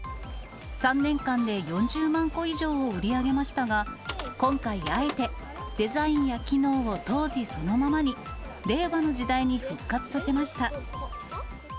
３年間で４０万個以上を売り上げましたが、今回、あえてデザインや機能を当時そのままに、令和の時代に復活させました。